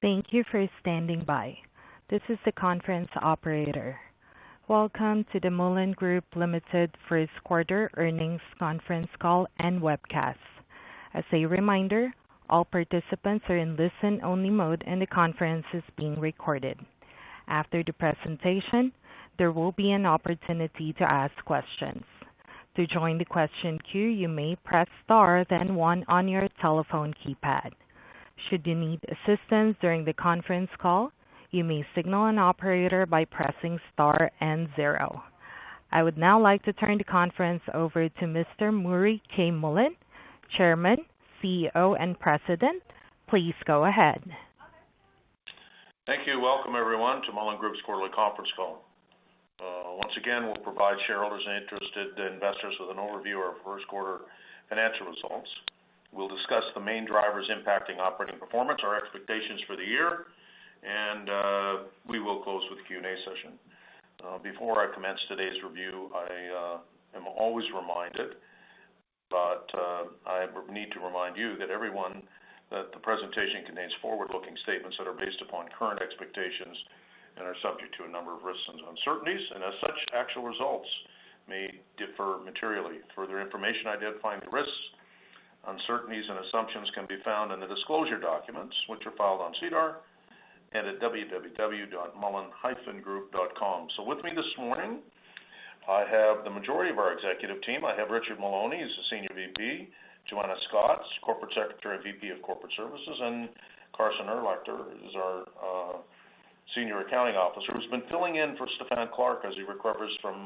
Thank you for standing by. This is the conference operator. Welcome to the Mullen Group Limited first quarter earnings conference call and webcast. As a reminder, all participants are in listen-only mode, and the conference is being recorded. After the presentation, there will be an opportunity to ask questions. To join the question queue, you may press star then one on your telephone keypad. Should you need assistance during the conference call, you may signal an operator by pressing star and zero. I would now like to turn the conference over to Mr. Murray K. Mullen, Chairman, CEO and President. Please go ahead. Thank you. Welcome everyone to Mullen Group's quarterly conference call. Once again, we'll provide shareholders and interested investors with an overview of our first quarter financial results. We'll discuss the main drivers impacting operating performance, our expectations for the year, and, we will close with the Q&A session. Before I commence today's review, I am always reminded, but I need to remind everyone that the presentation contains forward-looking statements that are based upon current expectations and are subject to a number of risks and uncertainties, and as such, actual results may differ materially. Further information identifying the risks, uncertainties, and assumptions can be found in the disclosure documents, which are filed on SEDAR and at www.mullen-group.com. With me this morning, I have the majority of our executive team. I have Richard Maloney, he's the Senior VP. Joanna Scott, Corporate Secretary and VP of Corporate Services, and Carson Urlacher is our Senior Accounting Officer, who's been filling in for Stephen Clark as he recovers from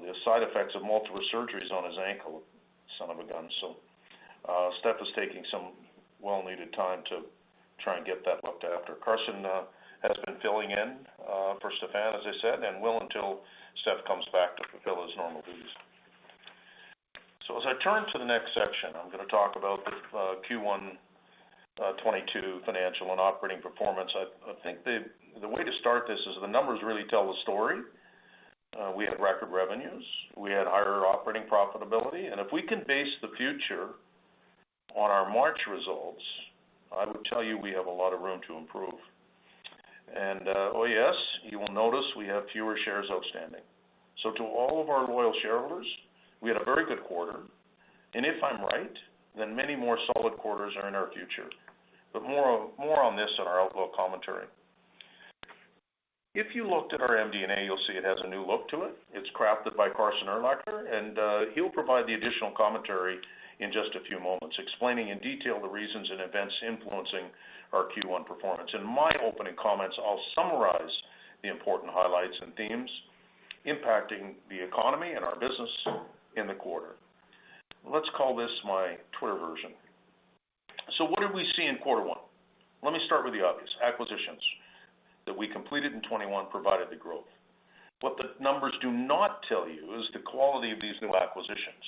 the side effects of multiple surgeries on his ankle. Son of a gun. Steph is taking some well-needed time to try and get that looked after. Carson has been filling in for Steph, as I said, and will until Steph comes back to fulfill his normal duties. As I turn to the next section, I'm gonna talk about the Q1 2022 financial and operating performance. I think the way to start this is the numbers really tell the story. We had record revenues, we had higher operating profitability, and if we can base the future on our March results, I would tell you we have a lot of room to improve. Oh, yes, you will notice we have fewer shares outstanding. To all of our loyal shareholders, we had a very good quarter, and if I'm right, then many more solid quarters are in our future. More on this in our outlook commentary. If you looked at our MD&A, you'll see it has a new look to it. It's crafted by Carson Urlacher, and he'll provide the additional commentary in just a few moments, explaining in detail the reasons and events influencing our Q1 performance. In my opening comments, I'll summarize the important highlights and themes impacting the economy and our business in the quarter. Let's call this my Twitter version. What did we see in quarter one? Let me start with the obvious. Acquisitions that we completed in 2021 provided the growth. What the numbers do not tell you is the quality of these new acquisitions.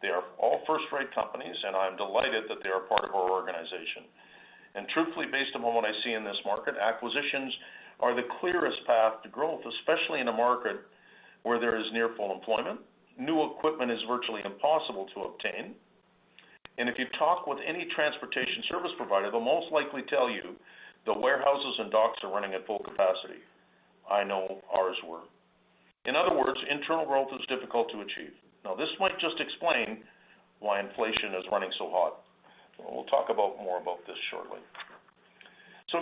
They are all first-rate companies, and I'm delighted that they are part of our organization. Truthfully, based upon what I see in this market, acquisitions are the clearest path to growth, especially in a market where there is near full employment, new equipment is virtually impossible to obtain, and if you talk with any transportation service provider, they'll most likely tell you the warehouses and docks are running at full capacity. I know ours were. In other words, internal growth is difficult to achieve. Now, this might just explain why inflation is running so hot. We'll talk more about this shortly.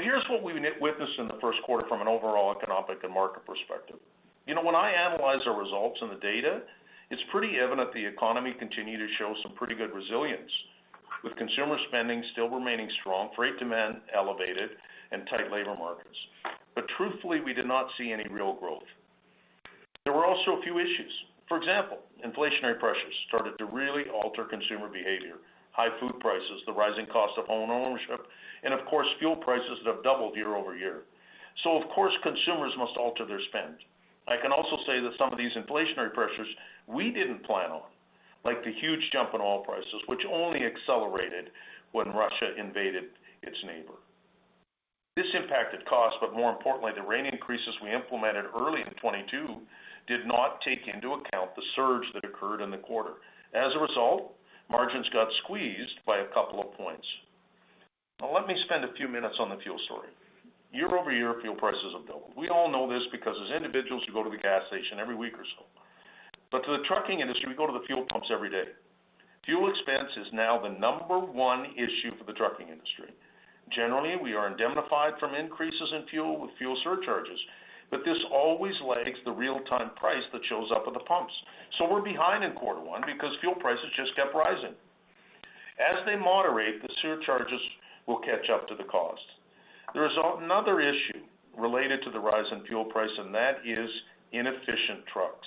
Here's what we witnessed in the first quarter from an overall economic and market perspective. You know, when I analyze our results and the data, it's pretty evident the economy continued to show some pretty good resilience, with consumer spending still remaining strong, freight demand elevated, and tight labor markets. Truthfully, we did not see any real growth. There were also a few issues. For example, inflationary pressures started to really alter consumer behavior. High food prices, the rising cost of home ownership, and of course, fuel prices that have doubled year over year. Of course, consumers must alter their spend. I can also say that some of these inflationary pressures we didn't plan on, like the huge jump in oil prices, which only accelerated when Russia invaded its neighbor. This impacted costs, but more importantly, the rate increases we implemented early in 2022 did not take into account the surge that occurred in the quarter. As a result, margins got squeezed by a couple of points. Now let me spend a few minutes on the fuel story. Year-over-year, fuel prices have doubled. We all know this because as individuals, you go to the gas station every week or so. To the trucking industry, we go to the fuel pumps every day. Fuel expense is now the number one issue for the trucking industry. Generally, we are indemnified from increases in fuel with fuel surcharges, but this always lags the real-time price that shows up at the pumps. We're behind in quarter one because fuel prices just kept rising. As they moderate, the surcharges will catch up to the cost. There is another issue related to the rise in fuel price, and that is inefficient trucks.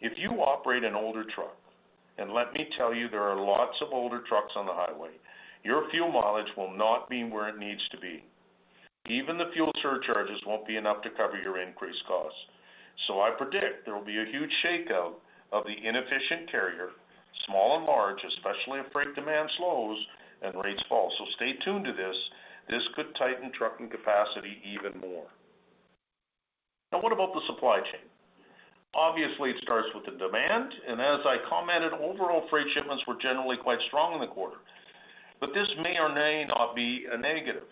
If you operate an older truck, and let me tell you, there are lots of older trucks on the highway, your fuel mileage will not be where it needs to be. Even the fuel surcharges won't be enough to cover your increased costs. I predict there will be a huge shakeout of the inefficient carrier, small and large, especially if freight demand slows and rates fall. Stay tuned to this. This could tighten trucking capacity even more. Now what about the supply chain? Obviously, it starts with the demand, and as I commented, overall freight shipments were generally quite strong in the quarter. This may or may not be a negative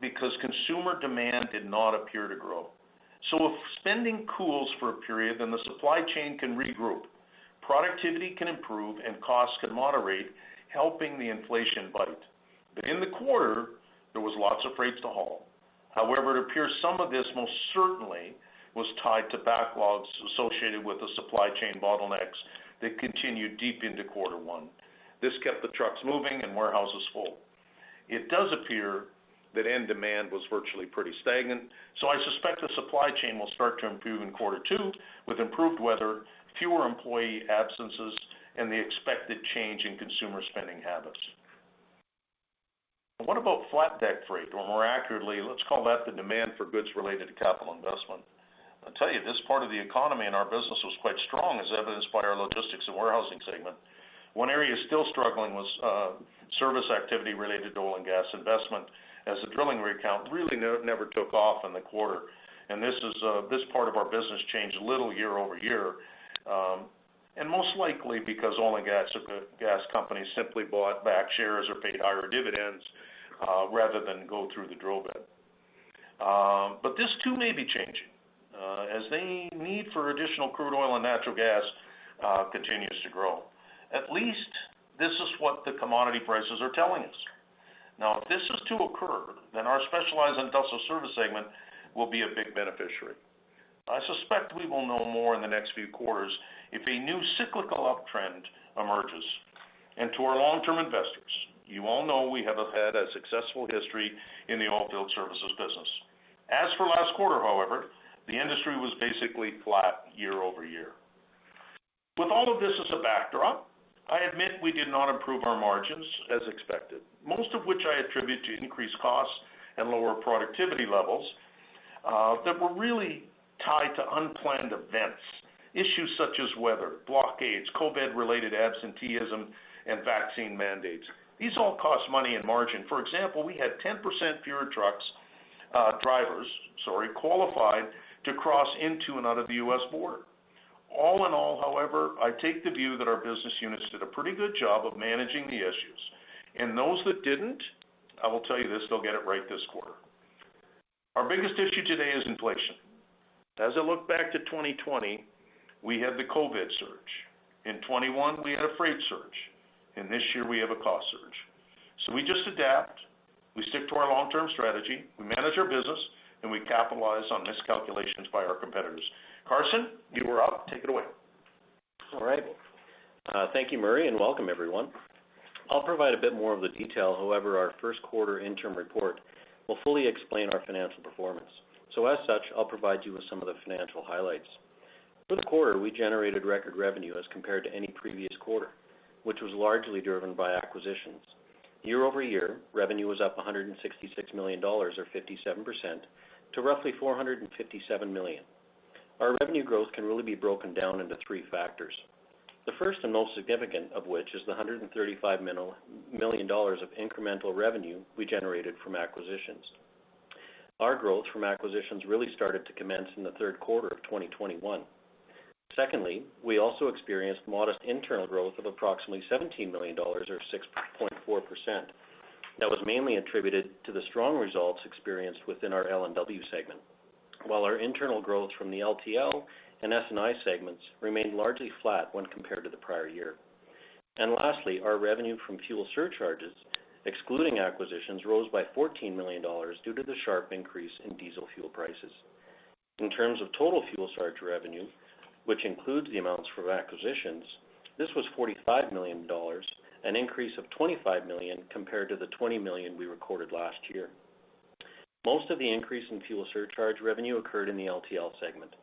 because consumer demand did not appear to grow. If spending cools for a period, then the supply chain can regroup, productivity can improve, and costs can moderate, helping the inflation bite. In the quarter, there was lots of freights to haul. However, it appears some of this most certainly was tied to backlogs associated with the supply chain bottlenecks that continued deep into quarter one. This kept the trucks moving and warehouses full. It does appear that end demand was virtually pretty stagnant, so I suspect the supply chain will start to improve in quarter two with improved weather, fewer employee absences, and the expected change in consumer spending habits. What about flat deck freight? More accurately, let's call that the demand for goods related to capital investment. I'll tell you, this part of the economy and our business was quite strong, as evidenced by our Logistics & Warehousing segment. One area still struggling was service activity related to oil and gas investment as the drilling rig count really never took off in the quarter. This is this part of our business changed a little year over year, and most likely because oil and gas companies simply bought back shares or paid higher dividends, rather than go through the drill bit. This too may be changing, as the need for additional crude oil and natural gas continues to grow. At least this is what the commodity prices are telling us. Now, if this is to occur, then our Specialized & Industrial Services segment will be a big beneficiary. I suspect we will know more in the next few quarters if a new cyclical uptrend emerges. To our long-term investors, you all know we have had a successful history in the oilfield services business. As for last quarter, however, the industry was basically flat year-over-year. With all of this as a backdrop, I admit we did not improve our margins as expected, most of which I attribute to increased costs and lower productivity levels that were really tied to unplanned events. Issues such as weather, blockades, COVID-related absenteeism, and vaccine mandates. These all cost money and margin. For example, we had 10% fewer drivers, sorry, qualified to cross into and out of the US border. All in all, however, I take the view that our business units did a pretty good job of managing the issues. Those that didn't, I will tell you this, they'll get it right this quarter. Our biggest issue today is inflation. As I look back to 2020, we had the COVID surge. In 2021, we had a freight surge, and this year we have a cost surge. We just adapt, we stick to our long-term strategy, we manage our business, and we capitalize on miscalculations by our competitors. Carson, you are up. Take it away. All right. Thank you, Murray, and welcome everyone. I'll provide a bit more of the detail. However, our first quarter interim report will fully explain our financial performance. As such, I'll provide you with some of the financial highlights. For the quarter, we generated record revenue as compared to any previous quarter, which was largely driven by acquisitions. Year-over-year, revenue was up 166 million dollars or 57% to roughly 457 million. Our revenue growth can really be broken down into three factors. The first and most significant of which is the 135 million dollars of incremental revenue we generated from acquisitions. Our growth from acquisitions really started to commence in the third quarter of 2021. Secondly, we also experienced modest internal growth of approximately 17 million dollars or 6.4%. That was mainly attributed to the strong results experienced within our L&W segment. While our internal growth from the LTL and S&I segments remained largely flat when compared to the prior year. Lastly, our revenue from fuel surcharges, excluding acquisitions, rose by 14 million dollars due to the sharp increase in diesel fuel prices. In terms of total fuel surcharge revenue, which includes the amounts for acquisitions, this was 45 million dollars, an increase of 25 million compared to the 20 million we recorded last year. Most of the increase in fuel surcharge revenue occurred in the LTL segment.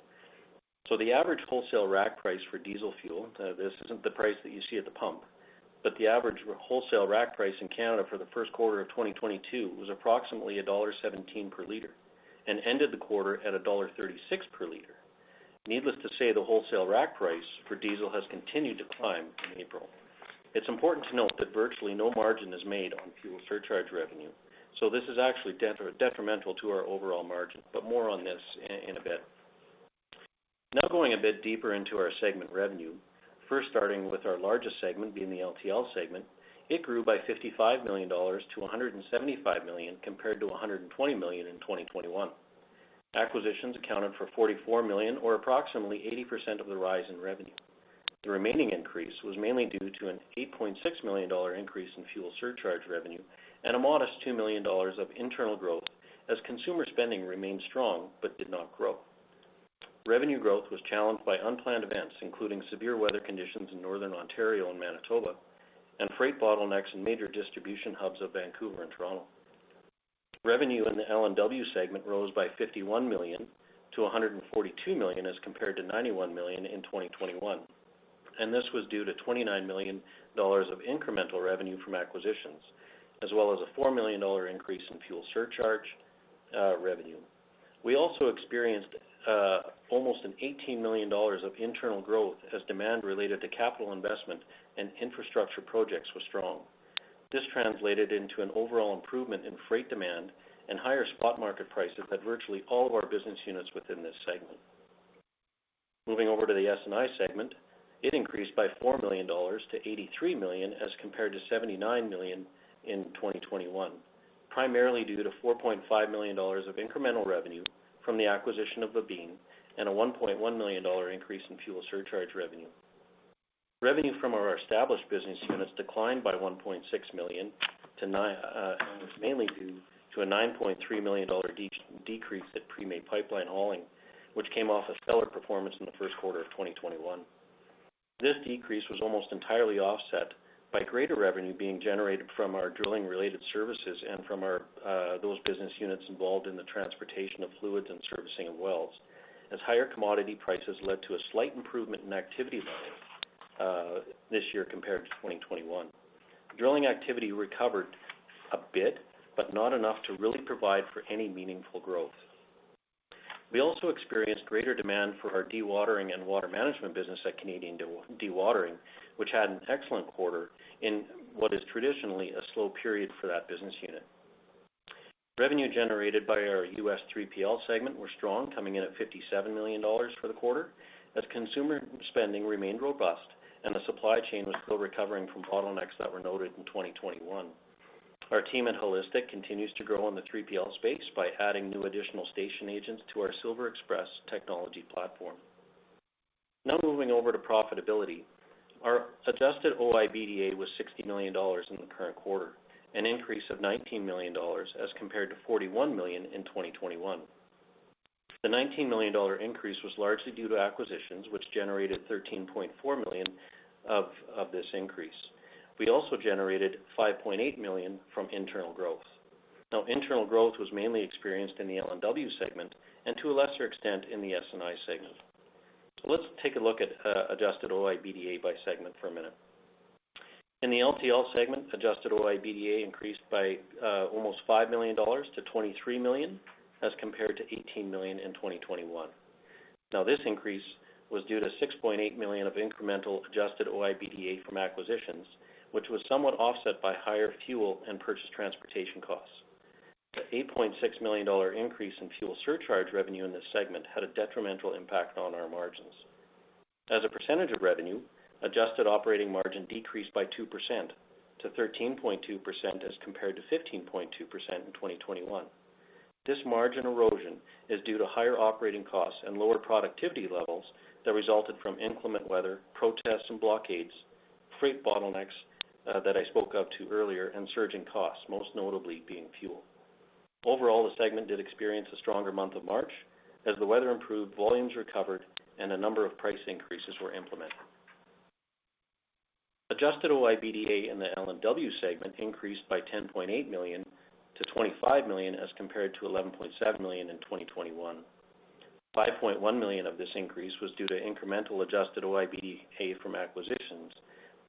The average wholesale rack price for diesel fuel, this isn't the price that you see at the pump, but the average wholesale rack price in Canada for the first quarter of 2022 was approximately dollar 1.17 per liter, and ended the quarter at dollar 1.36 per liter. Needless to say, the wholesale rack price for diesel has continued to climb in April. It's important to note that virtually no margin is made on fuel surcharge revenue, so this is actually detrimental to our overall margin, but more on this in a bit. Now going a bit deeper into our segment revenue. First, starting with our largest segment, being the LTL segment. It grew by 55 million dollars to 175 million compared to 120 million in 2021. Acquisitions accounted for 44 million or approximately 80% of the rise in revenue. The remaining increase was mainly due to an 8.6 million dollar increase in fuel surcharge revenue and a modest 2 million dollars of internal growth as consumer spending remained strong but did not grow. Revenue growth was challenged by unplanned events, including severe weather conditions in northern Ontario and Manitoba, and freight bottlenecks in major distribution hubs of Vancouver and Toronto. Revenue in the L&W segment rose by 51 million to 142 million as compared to 91 million in 2021, and this was due to 29 million dollars of incremental revenue from acquisitions, as well as a 4 million dollar increase in fuel surcharge revenue. We also experienced almost 18 million dollars of internal growth as demand related to capital investment and infrastructure projects was strong. This translated into an overall improvement in freight demand and higher spot market prices at virtually all of our business units within this segment. Moving over to the S&I segment, it increased by 4 million dollars to 83 million, as compared to 79 million in 2021, primarily due to 4.5 million dollars of incremental revenue from the acquisition of Babine and a 1.1 million dollar increase in fuel surcharge revenue. Revenue from our established business units declined by 1.6 million, mainly due to a 9.3 million dollar decrease at Premay Pipeline Hauling, which came off a stellar performance in the first quarter of 2021. This decrease was almost entirely offset by greater revenue being generated from our drilling-related services and from our those business units involved in the transportation of fluids and servicing of wells, as higher commodity prices led to a slight improvement in activity levels this year compared to 2021. Drilling activity recovered a bit, but not enough to really provide for any meaningful growth. We also experienced greater demand for our dewatering and water management business at Canadian Dewatering, which had an excellent quarter in what is traditionally a slow period for that business unit. Revenue generated by our US 3PL segment were strong, coming in at $57 million for the quarter, as consumer spending remained robust and the supply chain was still recovering from bottlenecks that were noted in 2021. Our team at HAUListic continues to grow in the 3PL space by adding new additional station agents to our SilverExpress technology platform. Now moving over to profitability. Our adjusted OIBDA was 60 million dollars in the current quarter, an increase of 19 million dollars as compared to 41 million in 2021. The 19 million dollar increase was largely due to acquisitions, which generated 13.4 million of this increase. We also generated 5.8 million from internal growth. Now, internal growth was mainly experienced in the L&W segment and to a lesser extent in the S&I segment. Let's take a look at adjusted OIBDA by segment for a minute. In the LTL segment, adjusted OIBDA increased by almost 5 million dollars to 23 million, as compared to 18 million in 2021. This increase was due to 6.8 million of incremental adjusted OIBDA from acquisitions, which was somewhat offset by higher fuel and purchase transportation costs. The 8.6 million dollar increase in fuel surcharge revenue in this segment had a detrimental impact on our margins. As a percentage of revenue, adjusted operating margin decreased by 2% to 13.2% as compared to 15.2% in 2021. This margin erosion is due to higher operating costs and lower productivity levels that resulted from inclement weather, protests and blockades, freight bottlenecks that I spoke of earlier, and surging costs, most notably being fuel. Overall, the segment did experience a stronger month of March. As the weather improved, volumes recovered, and a number of price increases were implemented. Adjusted OIBDA in the L&W segment increased by 10.8 million to 25 million, as compared to 11.7 million in 2021. 5.1 million of this increase was due to incremental adjusted OIBDA from acquisitions,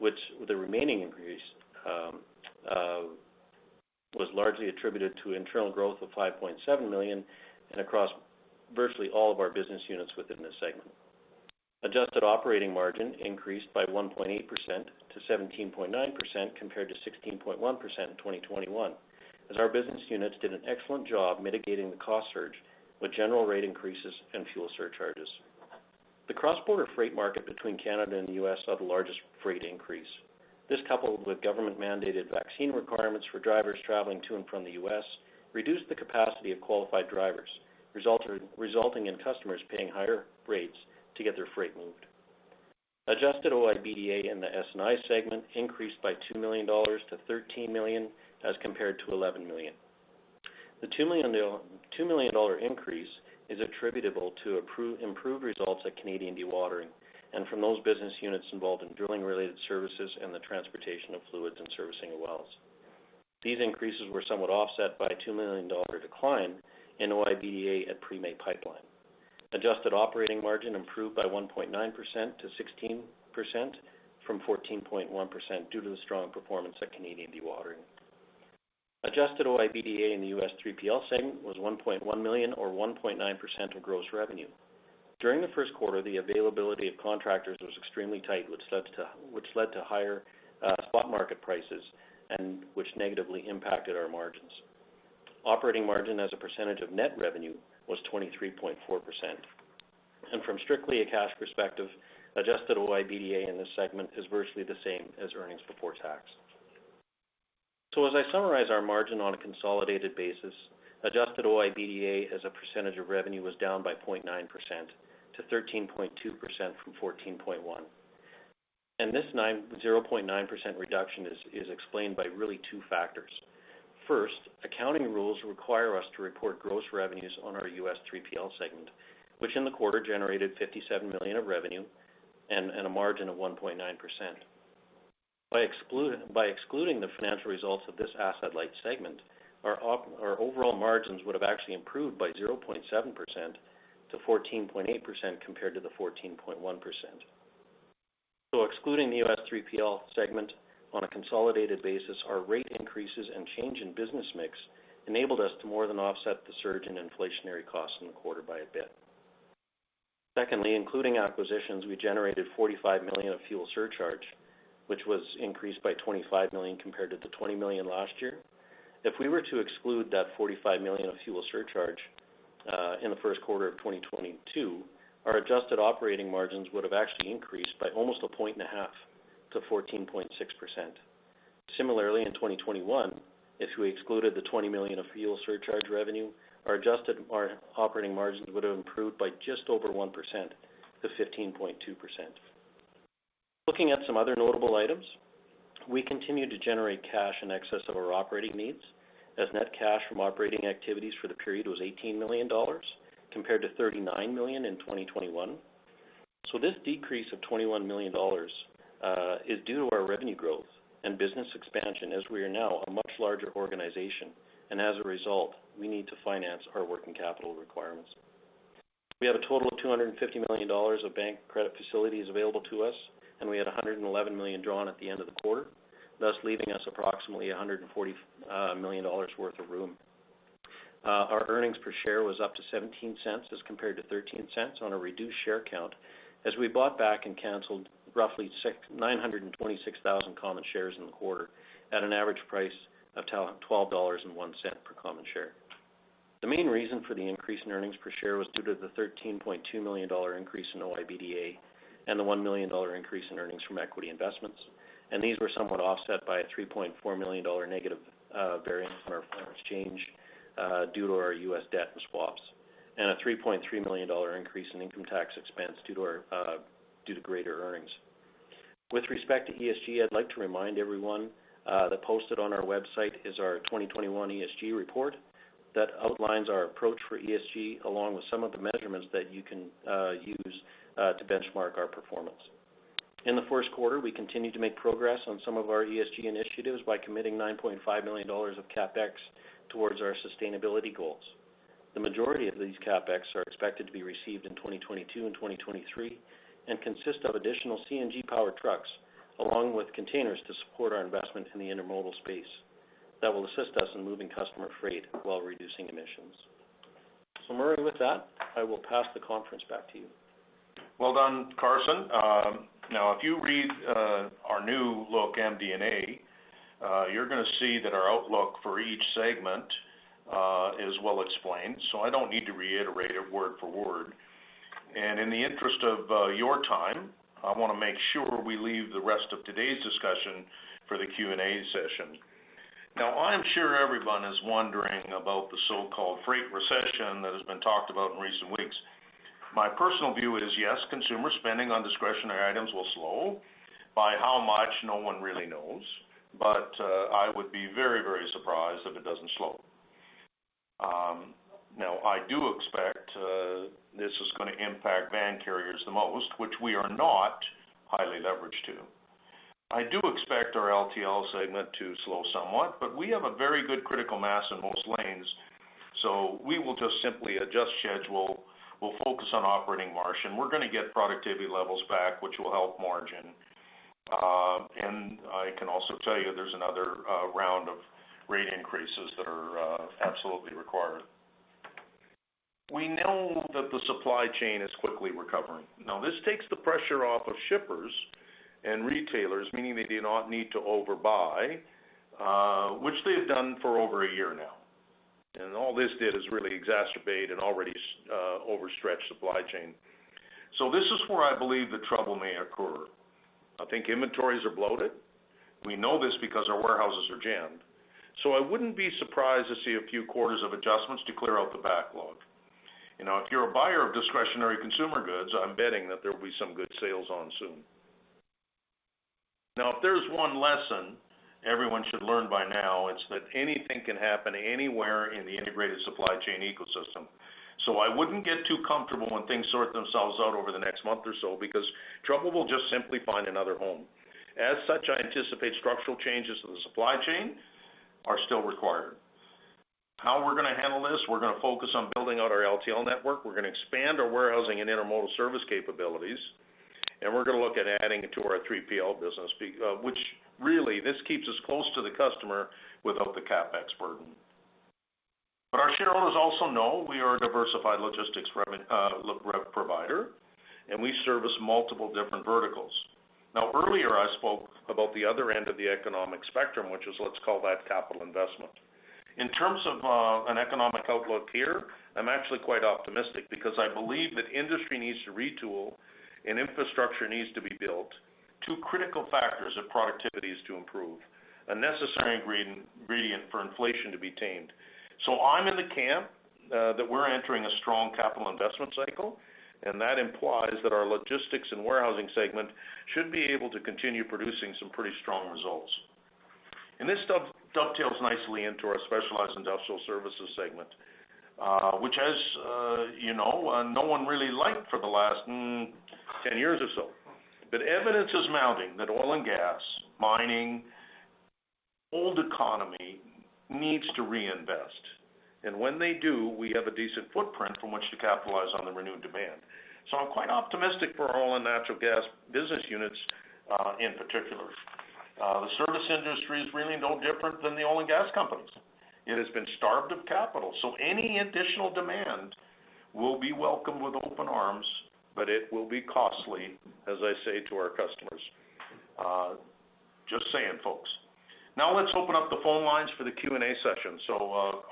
while the remaining increase was largely attributed to internal growth of 5.7 million across virtually all of our business units within this segment. Adjusted operating margin increased by 1.8% to 17.9% compared to 16.1% in 2021, as our business units did an excellent job mitigating the cost surge with general rate increases and fuel surcharges. The cross-border freight market between Canada and the U.S. saw the largest freight increase. This, coupled with government-mandated vaccine requirements for drivers traveling to and from the U.S., reduced the capacity of qualified drivers, resulting in customers paying higher rates to get their freight moved. Adjusted OIBDA in the S&I segment increased by 2 million dollars to 13 million, as compared to 11 million. The 2 million dollar increase is attributable to improved results at Canadian Dewatering and from those business units involved in drilling-related services and the transportation of fluids and servicing of wells. These increases were somewhat offset by a 2 million dollar decline in OIBDA at Premay Pipeline. Adjusted operating margin improved by 1.9% to 16% from 14.1% due to the strong performance at Canadian Dewatering. Adjusted OIBDA in the US 3PL segment was $1.1 million, or 1.9% of gross revenue. During the first quarter, the availability of contractors was extremely tight, which led to higher spot market prices and which negatively impacted our margins. Operating margin as a percentage of net revenue was 23.4%. From strictly a cash perspective, Adjusted OIBDA in this segment is virtually the same as earnings before tax. As I summarize our margin on a consolidated basis, Adjusted OIBDA as a percentage of revenue was down by 0.9% to 13.2% from 14.1%. This 0.9% reduction is explained by really two factors. First, accounting rules require us to report gross revenues on our US 3PL segment, which in the quarter generated $57 million of revenue and a margin of 1.9%. By excluding the financial results of this asset light segment, our overall margins would have actually improved by 0.7% to 14.8% compared to the 14.1%. Excluding the US 3PL segment on a consolidated basis, our rate increases and change in business mix enabled us to more than offset the surge in inflationary costs in the quarter by a bit. Secondly, including acquisitions, we generated 45 million of fuel surcharge, which was increased by 25 million compared to the 20 million last year. If we were to exclude that 45 million of fuel surcharge in the first quarter of 2022, our Adjusted Operating Margins would have actually increased by almost 1.5 points to 14.6%. Similarly, in 2021, if we excluded the 20 million of fuel surcharge revenue, our operating margins would have improved by just over 1% to 15.2%. Looking at some other notable items, we continue to generate cash in excess of our operating needs as net cash from operating activities for the period was 18 million dollars compared to 39 million in 2021. This decrease of 21 million dollars is due to our revenue growth and business expansion as we are now a much larger organization, and as a result, we need to finance our working capital requirements. We have a total of 250 million dollars of bank credit facilities available to us, and we had 111 million drawn at the end of the quarter, thus leaving us approximately 140 million dollars worth of room. Our earnings per share was up to 0.17 as compared to 0.13 on a reduced share count as we bought back and canceled roughly 926,000 common shares in the quarter at an average price of 12.01 dollars per common share. The main reason for the increase in earnings per share was due to the 13.2 million dollar increase in OIBDA and the 1 million dollar increase in earnings from equity investments. These were somewhat offset by a $3.4 million negative variance in our foreign exchange due to our US debt and swaps, and a 3.3 million dollar increase in income tax expense due to greater earnings. With respect to ESG, I'd like to remind everyone that posted on our website is our 2021 ESG report that outlines our approach for ESG, along with some of the measurements that you can use to benchmark our performance. In the first quarter, we continued to make progress on some of our ESG initiatives by committing 9.5 million dollars of CapEx towards our sustainability goals. The majority of these CapEx are expected to be received in 2022 and 2023 and consist of additional CNG-powered trucks, along with containers to support our investment in the intermodal space that will assist us in moving customer freight while reducing emissions. Murray, with that, I will pass the conference back to you. Well done, Carson. Now if you read our new look MD&A, you're gonna see that our outlook for each segment is well explained, so I don't need to reiterate it word for word. In the interest of your time, I wanna make sure we leave the rest of today's discussion for the Q&A session. Now, I'm sure everyone is wondering about the so-called freight recession that has been talked about in recent weeks. My personal view is, yes, consumer spending on discretionary items will slow. By how much, no one really knows. I would be very, very surprised if it doesn't slow. Now I do expect this is gonna impact van carriers the most, which we are not highly leveraged to. I do expect our LTL segment to slow somewhat, but we have a very good critical mass in most lanes, so we will just simply adjust schedule. We'll focus on operating margin. We're gonna get productivity levels back, which will help margin. I can also tell you there's another round of rate increases that are absolutely required. We know that the supply chain is quickly recovering. Now this takes the pressure off of shippers and retailers, meaning they do not need to overbuy, which they have done for over a year now. All this did is really exacerbate an already overstretched supply chain. This is where I believe the trouble may occur. I think inventories are bloated. We know this because our warehouses are jammed. I wouldn't be surprised to see a few quarters of adjustments to clear out the backlog. You know, if you're a buyer of discretionary consumer goods, I'm betting that there will be some good sales on soon. Now, if there's one lesson everyone should learn by now, it's that anything can happen anywhere in the integrated supply chain ecosystem. I wouldn't get too comfortable when things sort themselves out over the next month or so because trouble will just simply find another home. As such, I anticipate structural changes to the supply chain are still required. How we're gonna handle this, we're gonna focus on building out our LTL network. We're gonna expand our warehousing and intermodal service capabilities, and we're gonna look at adding to our 3PL business, which really, this keeps us close to the customer without the CapEx burden. Our shareholders also know we are a diversified logistics revenue provider, and we service multiple different verticals. Now earlier, I spoke about the other end of the economic spectrum, which is what's called that capital investment. In terms of an economic outlook here, I'm actually quite optimistic because I believe that industry needs to retool and infrastructure needs to be built. Two critical factors if productivity is to improve, a necessary ingredient for inflation to be tamed. I'm in the camp that we're entering a strong capital investment cycle, and that implies that our Logistics & Warehousing segment should be able to continue producing some pretty strong results. This dovetails nicely into our Specialized & Industrial Services segment, which has you know no one really liked for the last 10 years or so. Evidence is mounting that oil and gas, mining, old economy needs to reinvest. When they do, we have a decent footprint from which to capitalize on the renewed demand. I'm quite optimistic for our oil and natural gas business units, in particular. The service industry is really no different than the oil and gas companies. It has been starved of capital, so any additional demand will be welcomed with open arms, but it will be costly, as I say to our customers. Just saying, folks. Now let's open up the phone lines for the Q&A session.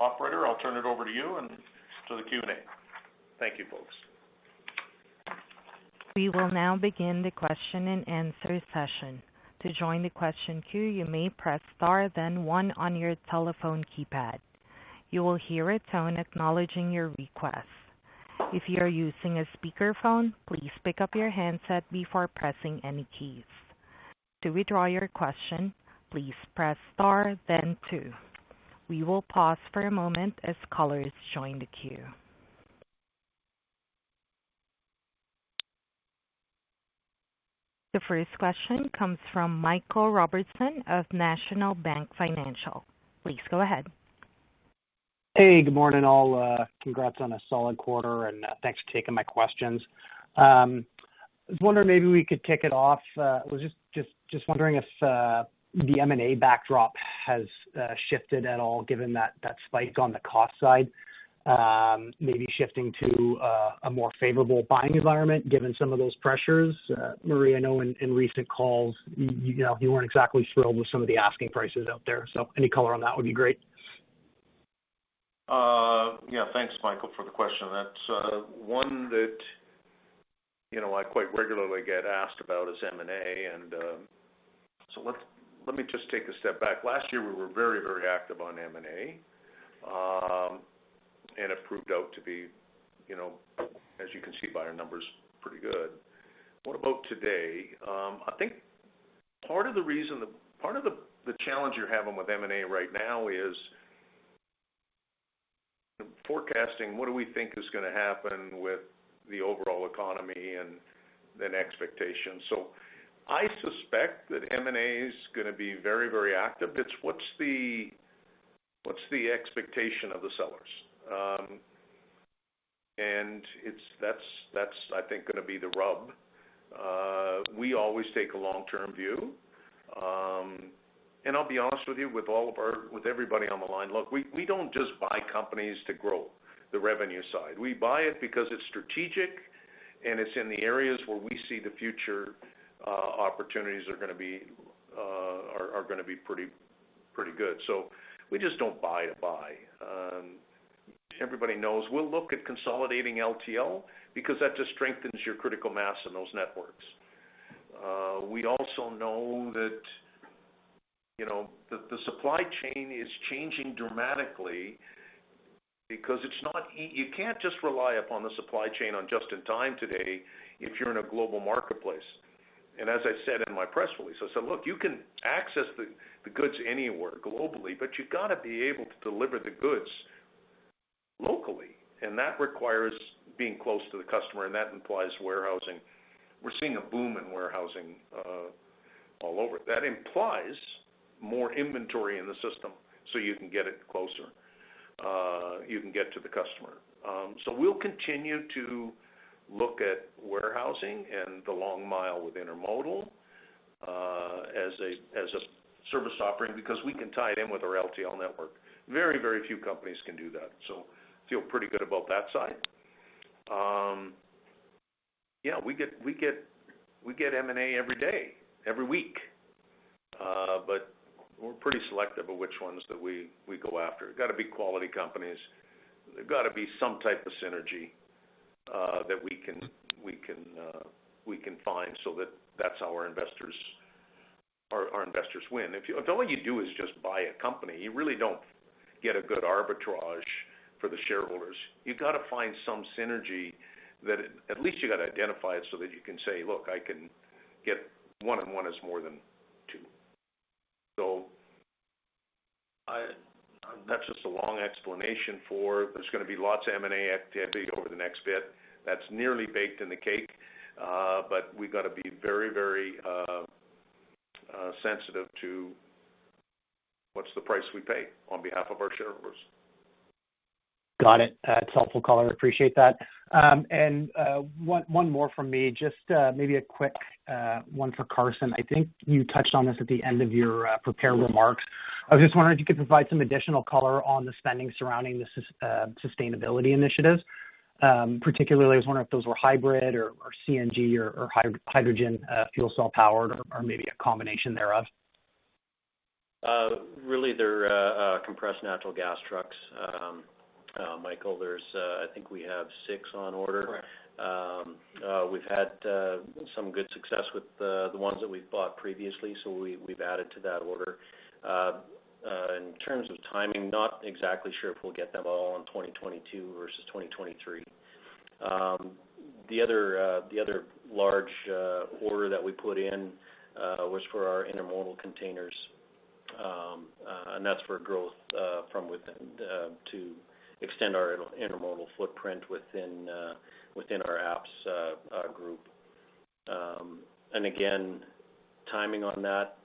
Operator, I'll turn it over to you and to the Q&A. Thank you, folks. We will now begin the question-and-answer session. To join the question queue, you may press star then one on your telephone keypad. You will hear a tone acknowledging your request. If you are using a speakerphone, please pick up your handset before pressing any keys. To withdraw your question, please press star then two. We will pause for a moment as callers join the queue. The first question comes from Michael Robertson of National Bank Financial. Please go ahead. Hey, good morning, all. Congrats on a solid quarter, and thanks for taking my questions. I was wondering maybe we could kick it off, was just wondering if the M&A backdrop has shifted at all, given that spike on the cost side, maybe shifting to a more favorable buying environment given some of those pressures. Murray, I know in recent calls you know, you weren't exactly thrilled with some of the asking prices out there. Any color on that would be great. Yeah, thanks Michael for the question. That's one that, you know, I quite regularly get asked about is M&A, and so let me just take a step back. Last year, we were very, very active on M&A. It proved out to be, you know, as you can see by our numbers, pretty good. What about today? I think the challenge you're having with M&A right now is forecasting what do we think is gonna happen with the overall economy and then expectations. I suspect that M&A is gonna be very, very active. It's what's the expectation of the sellers? That's I think gonna be the rub. We always take a long-term view. I'll be honest with you, with everybody on the line. Look, we don't just buy companies to grow the revenue side. We buy it because it's strategic, and it's in the areas where we see the future opportunities are gonna be pretty good. We just don't buy to buy. Everybody knows we'll look at consolidating LTL because that just strengthens your critical mass in those networks. We also know that, you know, the supply chain is changing dramatically because you can't just rely upon the supply chain on just in time today if you're in a global marketplace. As I said in my press release, I said, "Look, you can access the goods anywhere globally, but you've got to be able to deliver the goods locally." That requires being close to the customer, and that implies warehousing. We're seeing a boom in warehousing all over. That implies more inventory in the system, so you can get it closer, you can get to the customer. We'll continue to look at warehousing and the long mile with intermodal as a service offering because we can tie it in with our LTL network. Very, very few companies can do that. I feel pretty good about that side. Yeah, we get M&A every day, every week. But we're pretty selective of which ones that we go after. They've gotta be quality companies. There's gotta be some type of synergy that we can find so that's how our investors win. If all you do is just buy a company, you really don't get a good arbitrage for the shareholders. You've got to find some synergy that at least you got to identify it so that you can say, "Look, I can get one plus one is more than two." That's just a long explanation for there's gonna be lots of M&A activity over the next bit that's nearly baked in the cake. We've got to be very sensitive to what's the price we pay on behalf of our shareholders. Got it. It's helpful color. I appreciate that. One more from me, just maybe a quick one for Carson. I think you touched on this at the end of your prepared remarks. I was just wondering if you could provide some additional color on the spending surrounding the sustainability initiatives. Particularly I was wondering if those were hybrid or CNG or hydrogen fuel cell powered or maybe a combination thereof. Really they're compressed natural gas trucks. Michael, there's, I think we have six on order. Correct. We've had some good success with the ones that we've bought previously, so we've added to that order. In terms of timing, not exactly sure if we'll get them all in 2022 versus 2023. The other large order that we put in was for our intermodal containers. That's for growth from within to extend our intermodal footprint within our APPS group. Again, timing on that,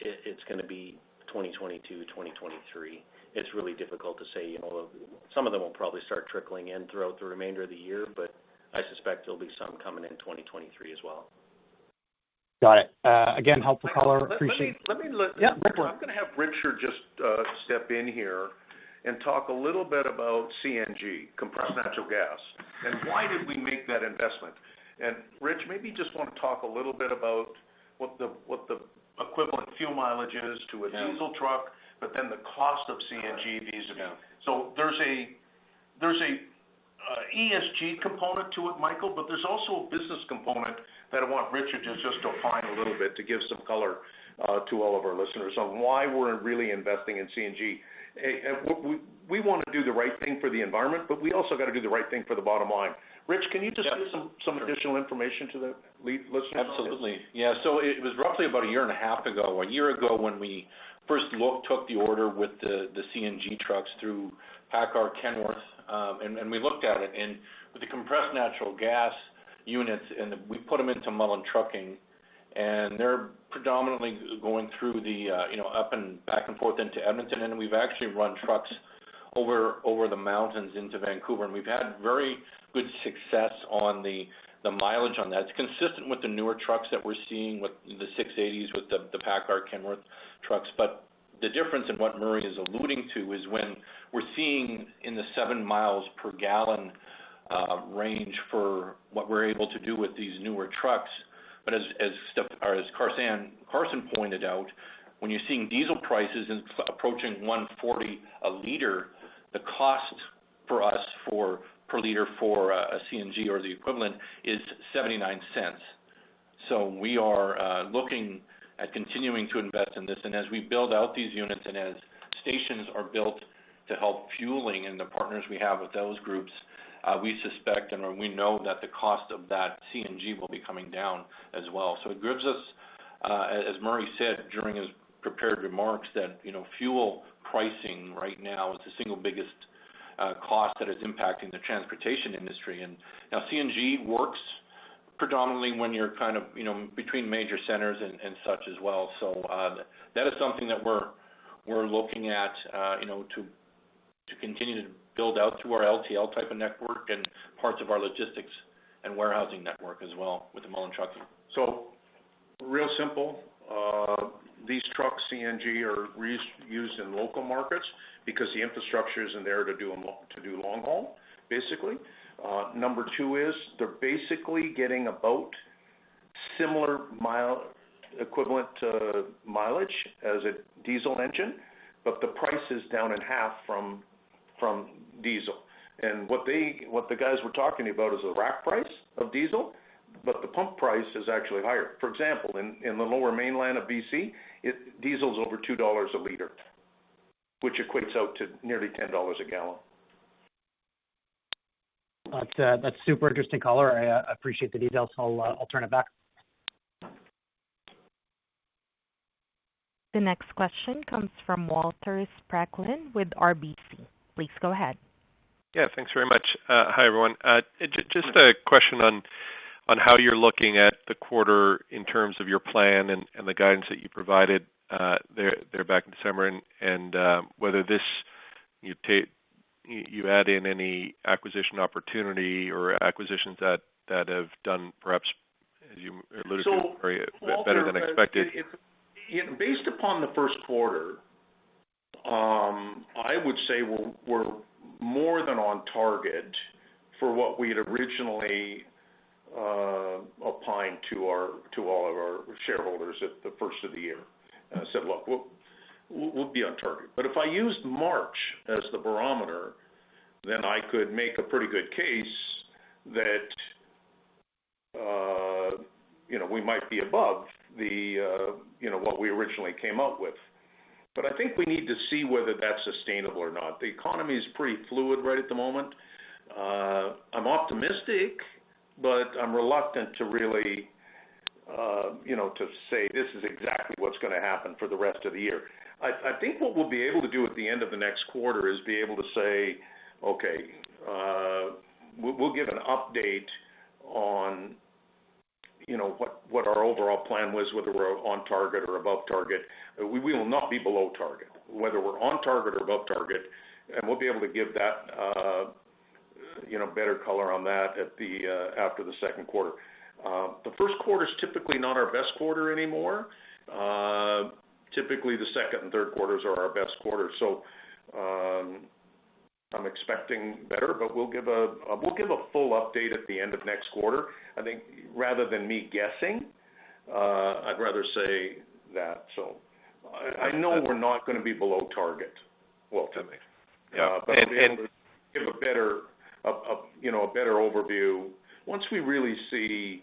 it's gonna be 2022, 2023. It's really difficult to say, you know. Some of them will probably start trickling in throughout the remainder of the year, but I suspect there'll be some coming in 2023 as well. Got it. Again, helpful color. Appreciate Let me look. Yeah, go for it. I'm gonna have Richard just step in here and talk a little bit about CNG, compressed natural gas, and why did we make that investment. Rich, maybe you just wanna talk a little bit about what the equivalent fuel mileage is to a diesel truck, but then the cost of CNG vis-a-vis. There's a ESG component to it, Michael, but there's also a business component that I want Richard just to define a little bit to give some color to all of our listeners on why we're really investing in CNG. We wanna do the right thing for the environment, but we also gotta do the right thing for the bottom line. Rich, can you just give some additional information to the listeners on this? Absolutely. Yeah. It was roughly about a year and a half ago, a year ago, when we first took the order with the CNG trucks through PACCAR Kenworth. We looked at it, and with the compressed natural gas units, and we put them into Mullen Trucking, and they're predominantly going through, you know, up and back and forth into Edmonton. We've actually run trucks over the mountains into Vancouver. We've had very good success on the mileage on that. It's consistent with the newer trucks that we're seeing with the 6.8s, with the PACCAR Kenworth trucks. The difference in what Murray is alluding to is when we're seeing in the seven miles per gallon range for what we're able to do with these newer trucks. As Carson pointed out, when you're seeing diesel prices approaching 1.40 a liter, the cost for us per liter for a CNG or the equivalent is 0.79. We are looking at continuing to invest in this. As we build out these units and as stations are built to help fueling and the partners we have with those groups, we suspect and we know that the cost of that CNG will be coming down as well. It gives us, as Murray said during his prepared remarks, that, you know, fuel pricing right now is the single biggest cost that is impacting the transportation industry. CNG works predominantly when you're kind of, you know, between major centers and such as well. That is something that we're looking at, you know, to continue to build out through our LTL type of network and parts of our logistics and warehousing network as well with the Mullen Trucking. Real simple, these trucks, CNG, are used in local markets because the infrastructure isn't there to do long haul, basically. Number two is they're basically getting about similar equivalent mileage as a diesel engine, but the price is down in half from diesel. What the guys were talking about is the rack price of diesel, but the pump price is actually higher. For example, in the lower mainland of BC, diesel is over 2 dollars a liter, which equates out to nearly 10 dollars a gallon. That's super interesting color. I appreciate the details, so I'll turn it back. The next question comes from Walter Spracklin with RBC. Please go ahead. Yeah, thanks very much. Hi, everyone. Just a question on how you're looking at the quarter in terms of your plan and the guidance that you provided there back in December, and whether you add in any acquisition opportunity or acquisitions that have done perhaps, as you alluded to, Murray, better than expected. Walter, it's based upon the first quarter. I would say we're more than on target for what we had originally opined to all of our shareholders at the first of the year. I said, "Look, we'll be on target." If I used March as the barometer, then I could make a pretty good case that you know, we might be above the you know, what we originally came up with. I think we need to see whether that's sustainable or not. The economy is pretty fluid right at the moment. I'm optimistic, but I'm reluctant to really, you know, to say, "This is exactly what's gonna happen for the rest of the year." I think what we'll be able to do at the end of the next quarter is be able to say, "Okay, we'll give an update on, you know, what our overall plan was, whether we're on target or above target." We will not be below target, whether we're on target or above target. We'll be able to give that, you know, better color on that after the second quarter. The first quarter is typically not our best quarter anymore. Typically, the second and third quarters are our best quarters, so I'm expecting better, but we'll give a full update at the end of next quarter. I think rather than me guessing, I'd rather say that. I know we're not gonna be below target, Walter. You know, a better overview once we really see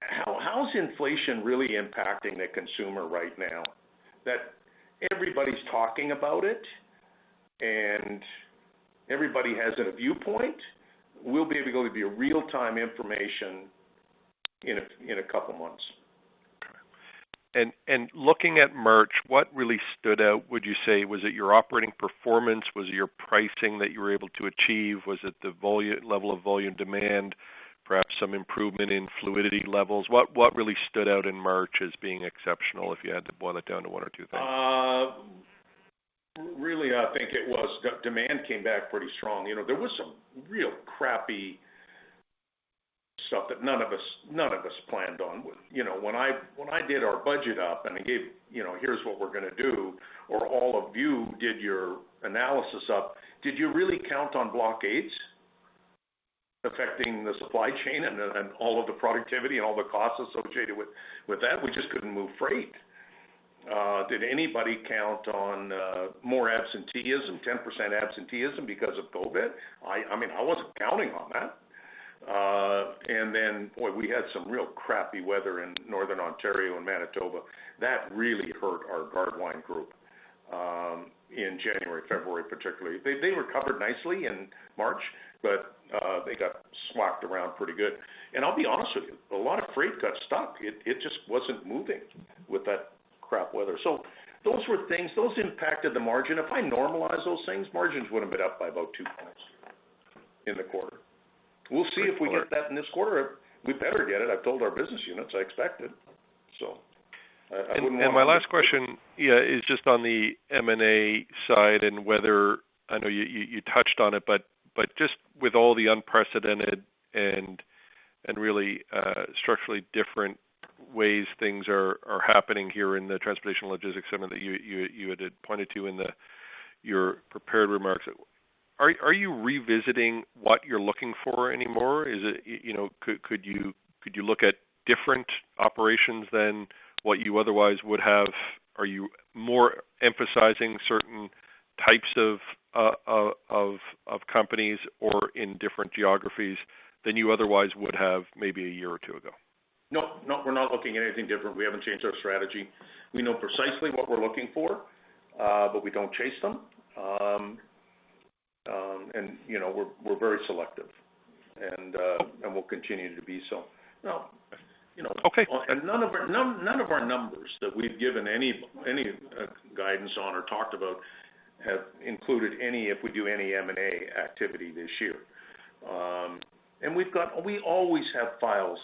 how is inflation really impacting the consumer right now? That everybody's talking about it and everybody has a viewpoint. We'll be able to give you real-time information in a couple months. Okay. Looking at March, what really stood out would you say? Was it your operating performance? Was it your pricing that you were able to achieve? Was it the level of volume demand, perhaps some improvement in fluidity levels? What really stood out in March as being exceptional if you had to boil it down to one or two things? Really, I think it was the demand came back pretty strong. You know, there was some real crappy stuff that none of us planned on. You know, when I did our budget up and I gave, you know, here's what we're gonna do, or all of you did your analysis up, did you really count on blockades affecting the supply chain and all of the productivity and all the costs associated with that? We just couldn't move freight. Did anybody count on more absenteeism, 10% absenteeism because of COVID? I mean, I wasn't counting on that. Boy, we had some real crappy weather in Northern Ontario and Manitoba. That really hurt our Gardewine Group in January, February, particularly. They recovered nicely in March, but they got smacked around pretty good. I'll be honest with you, a lot of freight got stuck. It just wasn't moving with that crap weather. Those were things, those impacted the margin. If I normalize those things, margins would've been up by about two points in the quarter. We'll see if we get that in this quarter. We better get it. I've told our business units I expect it. I wouldn't wanna- My last question, yeah, is just on the M&A side and whether I know you touched on it, but just with all the unprecedented and really structurally different ways things are happening here in the transportation logistics sector that you had pointed to in your prepared remarks. Are you revisiting what you're looking for anymore? Could you look at different operations than what you otherwise would have? Are you more emphasizing certain types of companies or in different geographies than you otherwise would have maybe a year or two ago? No, we're not looking at anything different. We haven't changed our strategy. We know precisely what we're looking for, but we don't chase them. You know, we're very selective, and we'll continue to be so. Now, you know. None of our numbers that we've given any guidance on or talked about have included any if we do any M&A activity this year. We always have files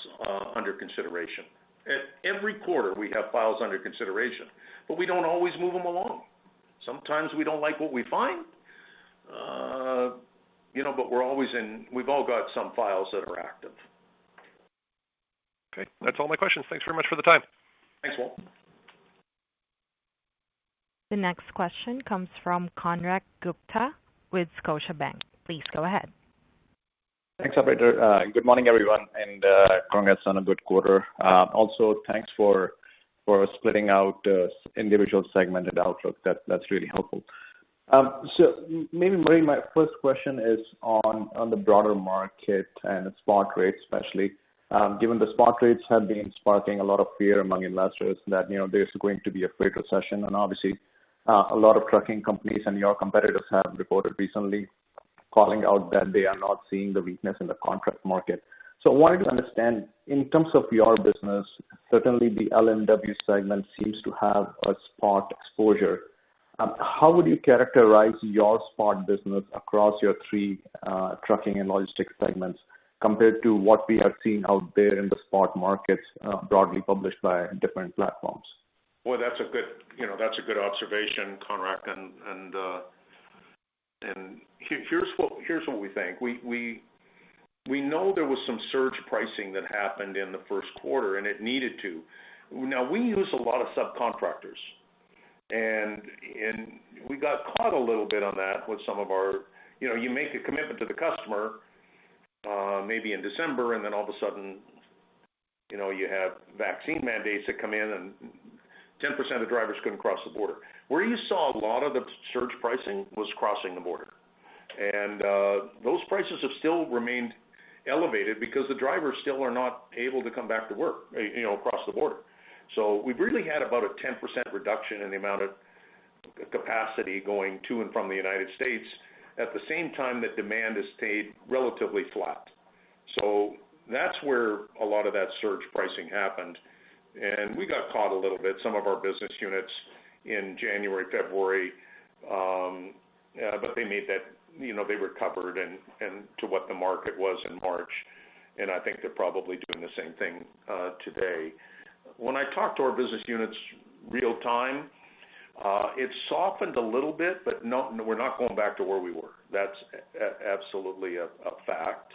under consideration. At every quarter, we have files under consideration, but we don't always move them along. Sometimes we don't like what we find. You know, we've all got some files that are active. Okay. That's all my questions. Thanks very much for the time. Thanks, Walt. The next question comes from Konark Gupta with Scotiabank. Please go ahead. Thanks, operator. Good morning, everyone, and congrats on a good quarter. Also thanks for splitting out individual segmented outlook. That's really helpful. Maybe, Murray, my first question is on the broader market and the spot rates especially, given the spot rates have been sparking a lot of fear among investors that, you know, there's going to be a freight recession. Obviously, a lot of trucking companies and your competitors have reported recently, calling out that they are not seeing the weakness in the contract market. I wanted to understand, in terms of your business, certainly the L&W segment seems to have a spot exposure. How would you characterize your spot business across your three trucking and logistics segments compared to what we have seen out there in the spot markets, broadly published by different platforms? Well, that's a good observation, Konark. Here's what we think. We know there was some surge pricing that happened in the first quarter, and it needed to. Now, we use a lot of subcontractors, and we got caught a little bit on that with some of our. You know, you make a commitment to the customer, maybe in December, and then all of a sudden, you know, you have vaccine mandates that come in and 10% of drivers couldn't cross the border. Where you saw a lot of the surge pricing was crossing the border. Those prices have still remained elevated because the drivers still are not able to come back to work, you know, across the border. We've really had about a 10% reduction in the amount of capacity going to and from the United States at the same time that demand has stayed relatively flat. That's where a lot of that surge pricing happened, and we got caught a little bit, some of our business units in January, February. But they made that. You know, they recovered and to what the market was in March, and I think they're probably doing the same thing today. When I talk to our business units real time, it's softened a little bit, but we're not going back to where we were. That's absolutely a fact.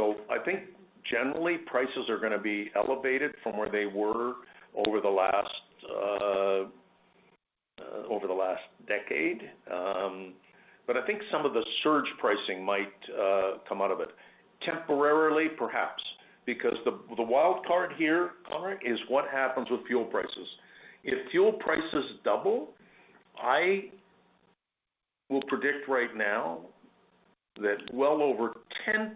I think generally prices are gonna be elevated from where they were over the last decade. I think some of the surge pricing might come out of it. Temporarily, perhaps, because the wild card here, Konark, is what happens with fuel prices. If fuel prices double, I will predict right now that well over 10%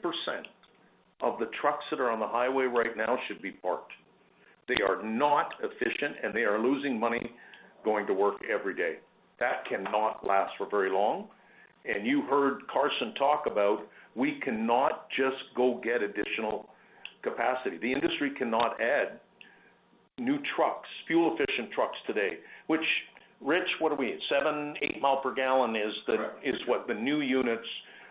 of the trucks that are on the highway right now should be parked. They are not efficient, and they are losing money going to work every day. That cannot last for very long. You heard Carson talk about we cannot just go get additional capacity. The industry cannot add new trucks, fuel efficient trucks today. Which, Rich, what are we at seven, eight miles per gallon is the- Correct. This is what the new units,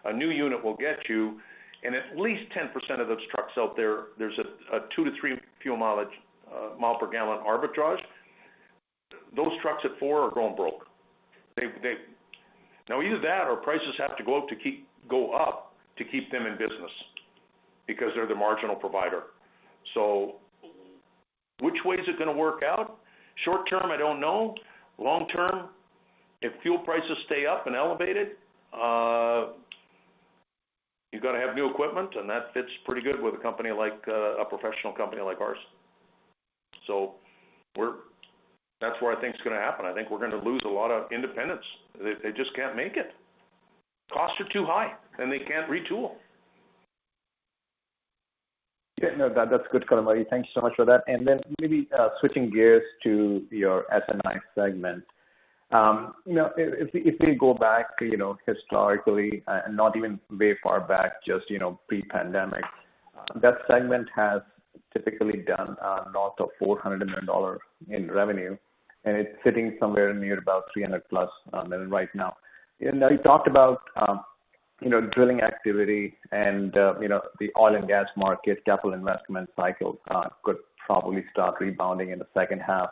a new unit will get you. At least 10% of those trucks out there's a two-three fuel mileage, mile per gallon arbitrage. Those trucks at four are going broke. Now either that or prices have to go up to keep them in business because they're the marginal provider. Which way is it gonna work out? Short term, I don't know. Long term, if fuel prices stay up and elevated, you gotta have new equipment, and that fits pretty good with a company like, a professional company like ours. That's where I think it's gonna happen. I think we're gonna lose a lot of independence. They just can't make it. Costs are too high, and they can't retool. Yeah, no, that's good, Konark, Murray. Thank you so much for that. Maybe switching gears to your S&I segment. You know, if we go back historically and not even very far back, just you know, pre-pandemic, that segment has typically done north of 400 million dollars in revenue, and it's sitting somewhere near about 300+ million right now. Now you talked about you know, drilling activity and you know, the oil and gas market capital investment cycle could probably start rebounding in the second half.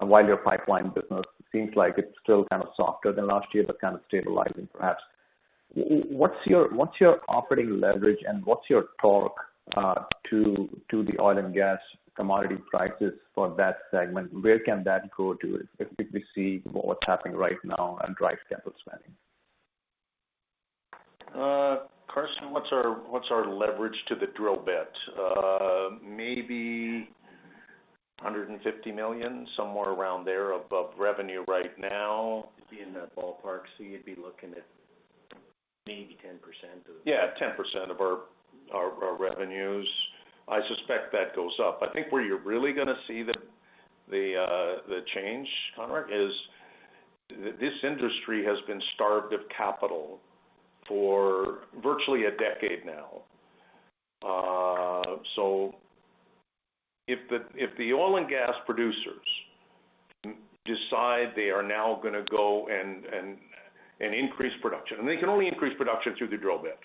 While your pipeline business seems like it's still kind of softer than last year but kind of stabilizing perhaps. What's your operating leverage and what's your thought to the oil and gas commodity prices for that segment? Where can that go to if we see what's happening right now and drive capital spending? Carson, what's our leverage to the drill bit? Maybe 150 million, somewhere around there above revenue right now. It'd be in that ballpark. You'd be looking at maybe 10% of it. Yeah, 10% of our revenues. I suspect that goes up. I think where you're really gonna see the change, Konark, is this industry has been starved of capital for virtually a decade now. If the oil and gas producers decide they are now gonna go and increase production, and they can only increase production through the drill bit.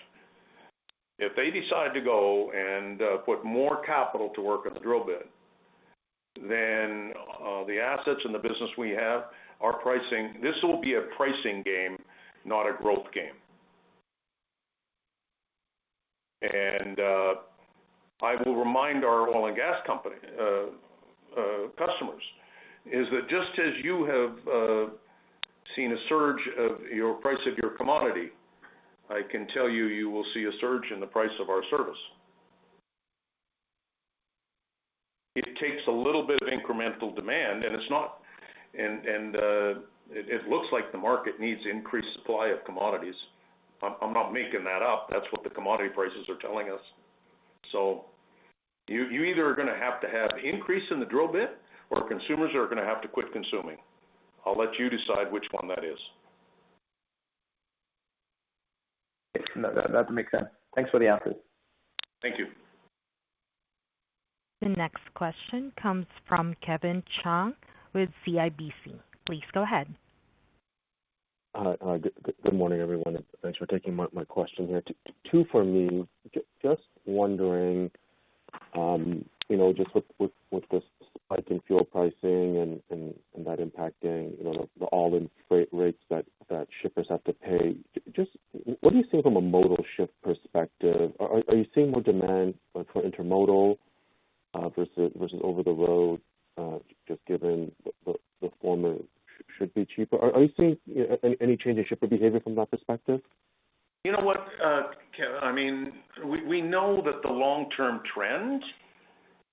If they decide to go and put more capital to work at the drill bit, then the assets and the business we have are pricing. This will be a pricing game, not a growth game. I will remind our oil and gas company customers that just as you have seen a surge in the price of your commodity, I can tell you will see a surge in the price of our service. It takes a little bit of incremental demand, and it looks like the market needs increased supply of commodities. I'm not making that up. That's what the commodity prices are telling us. You either are gonna have to have increase in the drill bit, or consumers are gonna have to quit consuming. I'll let you decide which one that is. That makes sense. Thanks for the answers. Thank you. The next question comes from Kevin Chiang with CIBC. Please go ahead. Hi. Good morning, everyone, and thanks for taking my question here. Two for me. Just wondering, you know, just with the spike in fuel pricing and that impacting, you know, the all-in freight rates that shippers have to pay, just what do you see from a modal shift perspective? Are you seeing more demand for intermodal versus over the road, just given that the former should be cheaper? Are you seeing any change in shipper behavior from that perspective? You know what, Kevin, I mean, we know that the long-term trend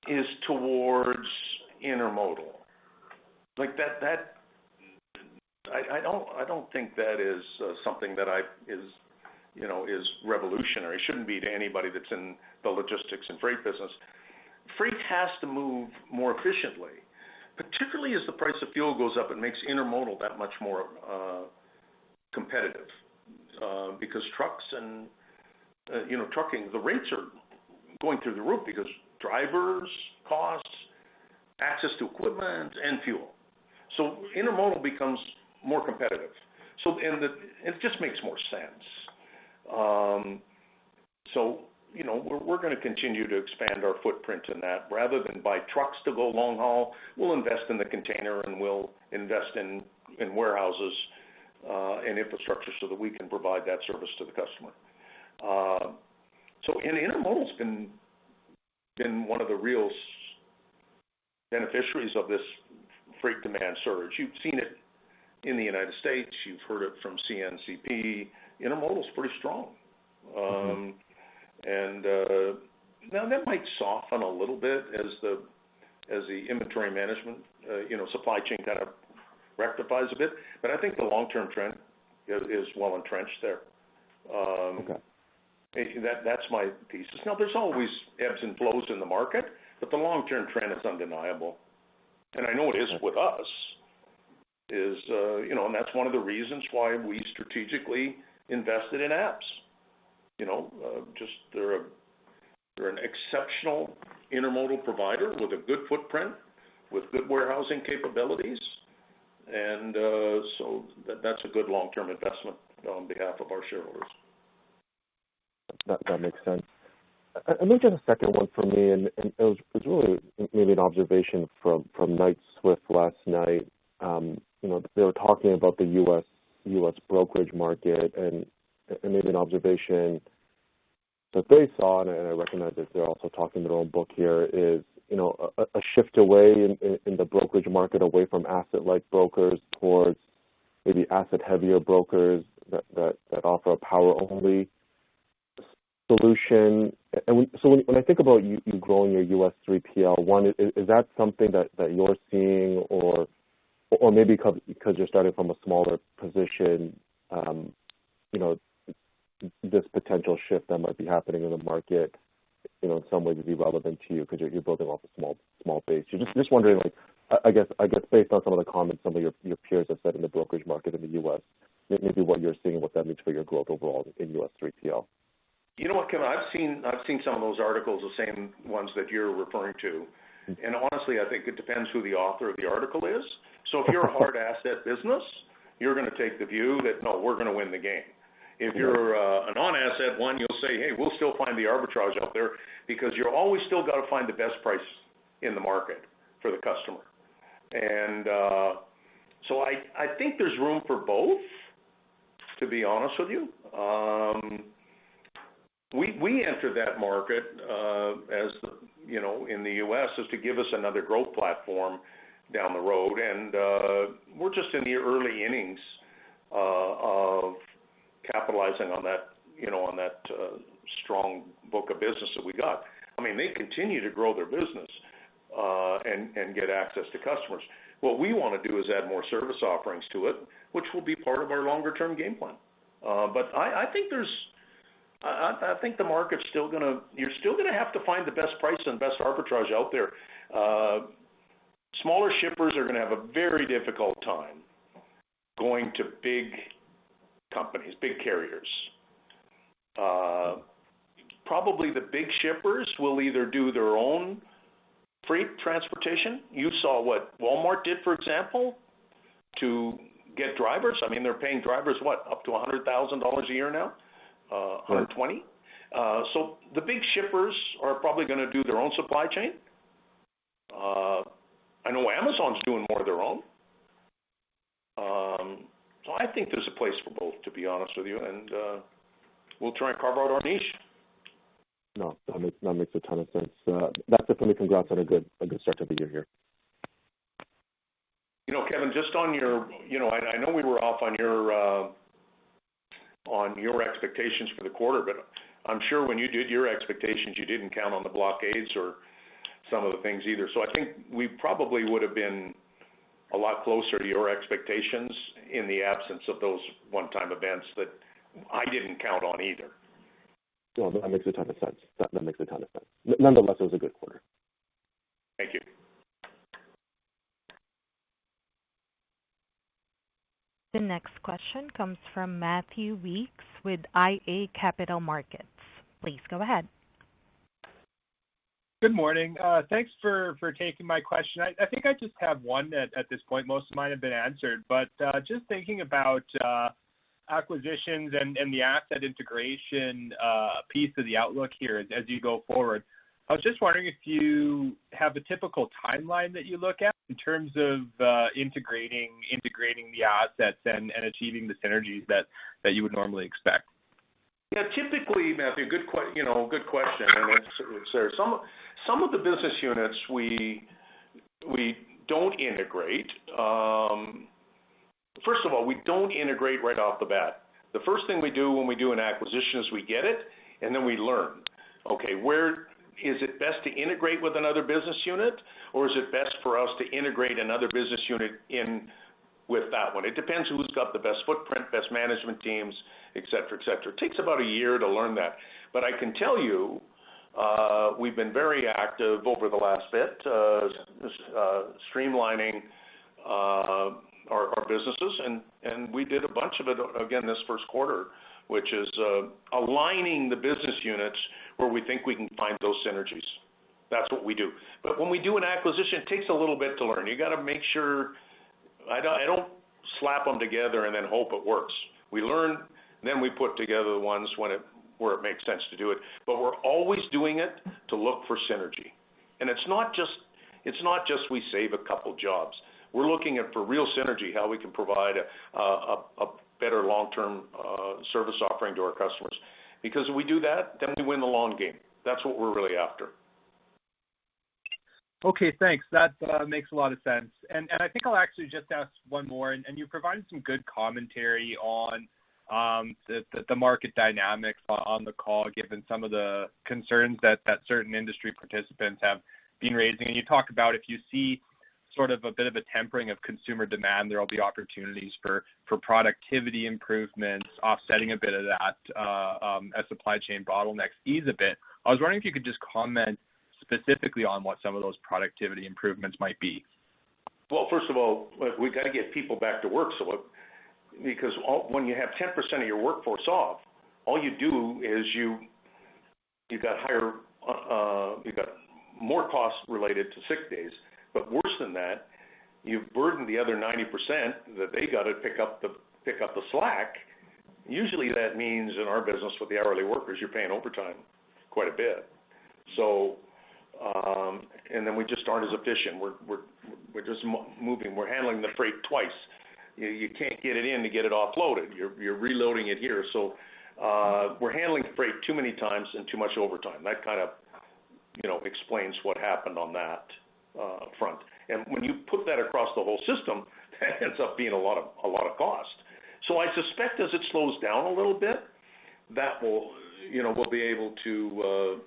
is towards intermodal. I don't think that is something that is revolutionary. It shouldn't be to anybody that's in the logistics and freight business. Freight has to move more efficiently, particularly as the price of fuel goes up. It makes intermodal that much more competitive because trucks and trucking, the rates are going through the roof because drivers costs, access to equipment and fuel. Intermodal becomes more competitive. It just makes more sense. You know, we're gonna continue to expand our footprint in that. Rather than buy trucks to go long haul, we'll invest in the container, and we'll invest in warehouses, and infrastructure so that we can provide that service to the customer. Intermodal's been one of the real beneficiaries of this freight demand surge. You've seen it in the United States. You've heard it from CN/CP. Intermodal's pretty strong. Now that might soften a little bit as the inventory management, supply chain kind of rectifies a bit. I think the long-term trend is well entrenched there. That's my thesis. Now, there's always ebbs and flows in the market, but the long-term trend is undeniable. I know it is with us. You know, that's one of the reasons why we strategically invested in APPS. You know, just they're an exceptional intermodal provider with a good footprint, with good warehousing capabilities. That's a good long-term investment on behalf of our shareholders. That makes sense. Maybe just a second one for me, and it's really maybe an observation from Knight-Swift last night. You know, they were talking about the US brokerage market and maybe an observation that they saw, and I recognize that they're also talking their own book here, you know, a shift away in the brokerage market, away from asset-like brokers towards maybe asset heavier brokers that offer a power-only solution. When I think about you growing your US 3PL, one, is that something that you're seeing? Maybe 'cause you're starting from a smaller position, you know, this potential shift that might be happening in the market, you know, in some way could be relevant to you because you're building off a small base. Just wondering, like, I guess based on some of the comments some of your peers have said in the brokerage market in the US, maybe what you're seeing and what that means for your growth overall in US 3PL. You know what, Kevin? I've seen some of those articles, the same ones that you're referring to. Honestly, I think it depends who the author of the article is. If you're a hard asset business, you're gonna take the view that, "No, we're gonna win the game. If you're a non-asset-based one, you'll say, "Hey, we'll still find the arbitrage out there," because you're always still gotta find the best price in the market for the customer. I think there's room for both, to be honest with you. We entered that market, as, you know, in the US, is to give us another growth platform down the road. We're just in the early innings of capitalizing on that, you know, on that strong book of business that we got. I mean, they continue to grow their business and get access to customers. What we wanna do is add more service offerings to it, which will be part of our longer term game plan. I think the market's still gonna. You're still gonna have to find the best price and best arbitrage out there. Smaller shippers are gonna have a very difficult time going to big companies, big carriers. Probably the big shippers will either do their own freight transportation. You saw what Walmart did, for example, to get drivers. I mean, they're paying drivers, what? Up to $100,000 a year now, $120,000? The big shippers are probably gonna do their own supply chain. I know Amazon's doing more of their own. I think there's a place for both, to be honest with you, and we'll try and carve out our niche. No, that makes a ton of sense. That's it for me. Congrats on a good start to the year here. You know, Kevin, you know, I know we were off on your expectations for the quarter, but I'm sure when you did your expectations, you didn't count on the blockades or some of the things either. I think we probably would've been a lot closer to your expectations in the absence of those one-time events that I didn't count on either. No, that makes a ton of sense. That makes a ton of sense. Nonetheless, it was a good quarter. Thank you. The next question comes from Matthew Weekes with iA Capital Markets. Please go ahead. Good morning. Thanks for taking my question. I think I just have one at this point. Most of mine have been answered. Just thinking about acquisitions and the asset integration piece of the outlook here as you go forward. I was just wondering if you have a typical timeline that you look at in terms of integrating the assets and achieving the synergies that you would normally expect. Yeah. Typically, Matthew, you know, good question. It's, there are some of the business units we don't integrate. First of all, we don't integrate right off the bat. The first thing we do when we do an acquisition is we get it, and then we learn. Okay, where is it best to integrate with another business unit, or is it best for us to integrate another business unit in with that one? It depends who's got the best footprint, best management teams, et cetera, et cetera. Takes about a year to learn that. I can tell you, we've been very active over the last bit, streamlining our businesses, and we did a bunch of it again this first quarter, which is aligning the business units where we think we can find those synergies. That's what we do. When we do an acquisition, it takes a little bit to learn. You gotta make sure. I don't slap them together and then hope it works. We learn, then we put together the ones where it makes sense to do it, but we're always doing it to look for synergy. It's not just we save a couple jobs. We're looking for real synergy, how we can provide a better long-term service offering to our customers. Because if we do that, then we win the long game. That's what we're really after. Okay, thanks. That makes a lot of sense. I think I'll actually just ask one more. You provided some good commentary on the market dynamics on the call, given some of the concerns that certain industry participants have been raising. You talked about if you see sort of a bit of a tempering of consumer demand. There will be opportunities for productivity improvements offsetting a bit of that, as supply chain bottlenecks ease a bit. I was wondering if you could just comment specifically on what some of those productivity improvements might be. Well, first of all, we got to get people back to work. When you have 10% of your workforce off, all you do is you got higher, you got more costs related to sick days. But worse than that, you've burdened the other 90% that they got to pick up the slack. Usually, that means in our business with the hourly workers, you're paying overtime quite a bit. We just aren't as efficient. We're just moving. We're handling the freight twice. You can't get it in to get it offloaded. You're reloading it here. We're handling the freight too many times and too much overtime. That kind of, you know, explains what happened on that front. When you put that across the whole system, that ends up being a lot of cost. I suspect as it slows down a little bit, that will, you know, we'll be able to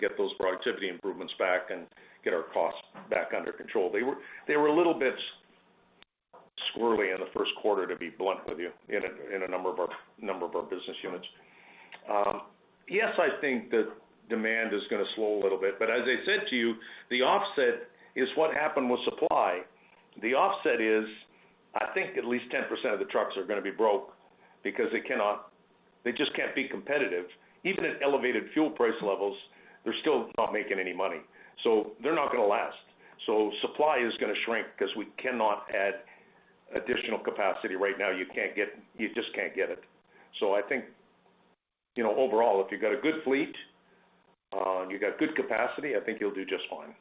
get those productivity improvements back and get our costs back under control. They were a little bit squirrely in the first quarter, to be blunt with you, in a number of our business units. Yes, I think that demand is gonna slow a little bit, but as I said to you, the offset is what happened with supply. The offset is, I think at least 10% of the trucks are gonna be broke because they just can't be competitive. Even at elevated fuel price levels, they're still not making any money, so they're not gonna last. Supply is gonna shrink because we cannot add additional capacity right now. You just can't get it. I think, you know, overall, if you've got a good fleet, and you've got good capacity, I think you'll do just fine.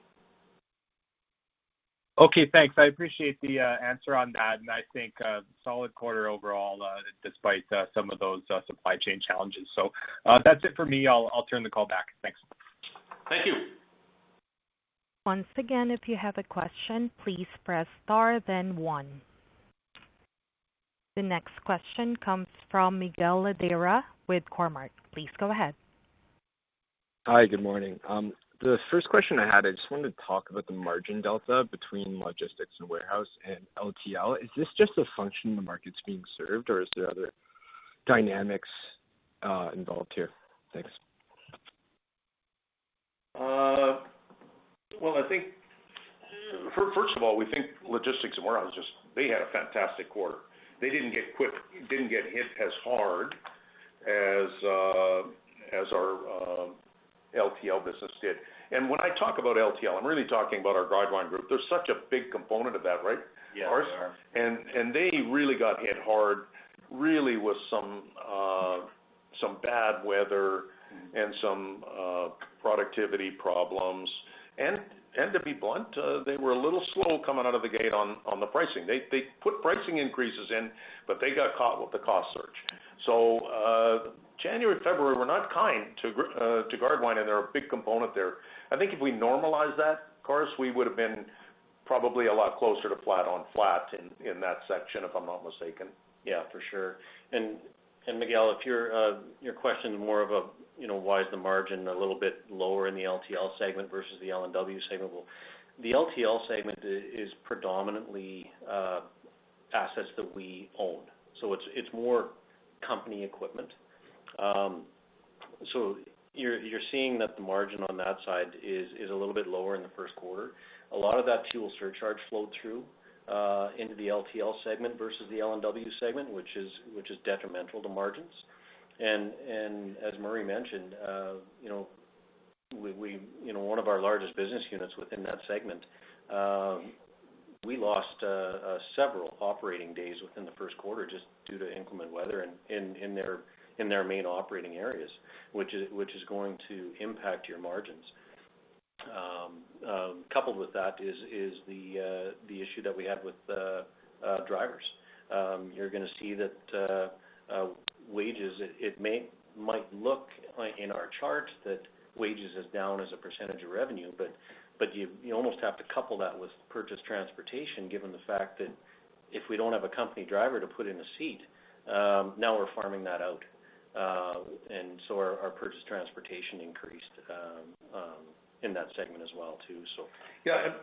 Okay, thanks. I appreciate the answer on that. I think a solid quarter overall, despite some of those supply chain challenges. That's it for me. I'll turn the call back. Thanks. Thank you. Once again if you have a question please press star then one. The next question comes from Miguel Ladeira with Cormark. Please go ahead. Hi, good morning. The first question I had, I just wanted to talk about the margin delta between Logistics & Warehouse and LTL. Is this just a function of the markets being served, or is there other dynamics involved here? Thanks. I think, first of all, we think Logistics & Warehouses, they had a fantastic quarter. They didn't get hit as hard as our LTL business did. When I talk about LTL, I'm really talking about our Gardewine Group. They're such a big component of that, right, Carson? Yes, they are. They really got hit hard, really with some bad weather and some productivity problems. To be blunt, they were a little slow coming out of the gate on the pricing. They put pricing increases in, but they got caught with the cost surge. January, February were not kind to Gardewine, and they're a big component there. I think if we normalize that, Carson, we would have been probably a lot closer to flat on flat in that section, if I'm not mistaken. Yeah, for sure. Miguel, if your question is more of a, you know, why is the margin a little bit lower in the LTL segment versus the L&W segment. Well, the LTL segment is predominantly assets that we own, so it's more company equipment. You're seeing that the margin on that side is a little bit lower in the first quarter. A lot of that fuel surcharge flowed through into the LTL segment versus the L&W segment, which is detrimental to margins. As Murray mentioned, one of our largest business units within that segment, we lost several operating days within the first quarter just due to inclement weather in their main operating areas, which is going to impact your margins. Coupled with that is the issue that we had with drivers. You're gonna see that wages might look like in our charts that wages is down as a percentage of revenue, but you almost have to couple that with purchase transportation, given the fact that if we don't have a company driver to put in a seat, now we're farming that out. Our purchase transportation increased in that segment as well too, so. Yeah.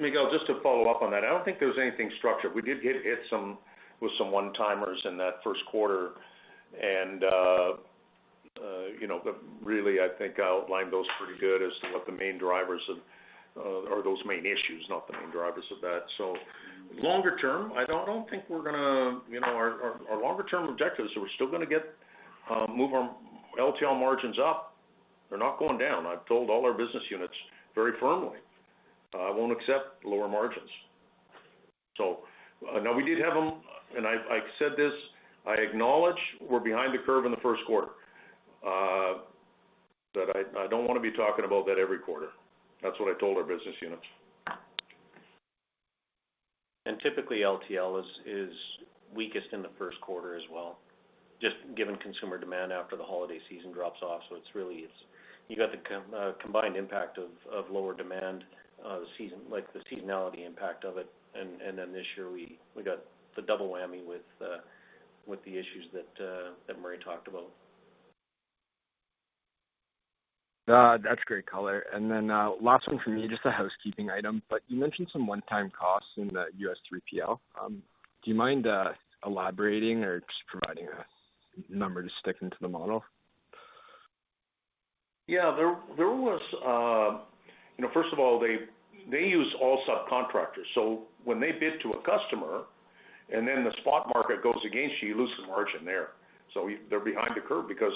Miguel, just to follow up on that, I don't think there was anything structured. We did get hit some with some one-timers in that first quarter. You know, but really, I think I outlined those pretty good as to what the main drivers of or those main issues, not the main drivers of that. Longer term, I don't think we're gonna, you know, our longer term objective is that we're still gonna get move our LTL margins up. They're not going down. I've told all our business units very firmly, I won't accept lower margins. Now we did have them, and I've said this, I acknowledge we're behind the curve in the first quarter. But I don't wanna be talking about that every quarter. That's what I told our business units. Typically, LTL is weakest in the first quarter as well, just given consumer demand after the holiday season drops off. It's really you got the combined impact of lower demand, like the seasonality impact of it. Then this year we got the double whammy with the issues that Murray talked about. That's great color. Then, last one for me, just a housekeeping item. You mentioned some one-time costs in the US 3PL. Do you mind elaborating or just providing a number to stick into the model? Yeah. You know, first of all, they use all subcontractors. When they bid to a customer and then the spot market goes against you lose the margin there. They're behind the curve because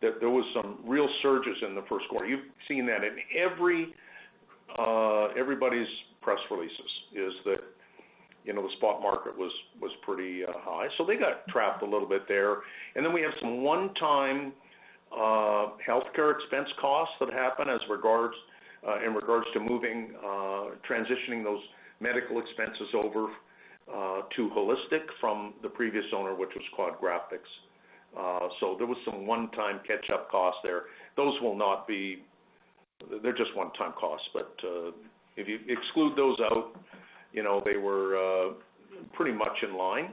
there was some real surges in the first quarter. You've seen that in everybody's press releases, is that, you know, the spot market was pretty high. They got trapped a little bit there. Then we have some one-time healthcare expense costs that happened as regards in regards to moving, transitioning those medical expenses over to HAUListic from the previous owner, which was Quad/Graphics. There was some one-time catch-up costs there. Those will not be. They're just one-time costs. If you exclude those out, you know, they were pretty much in line